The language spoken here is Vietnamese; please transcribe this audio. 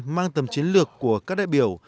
mang tầm chiến lược của các đại biểu